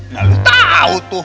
nah lu tau tuh